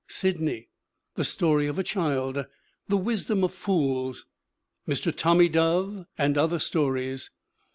Sidney. The Story of a Child. The Wisdom of Fools. Mr. Tommy Dove and Other Stories.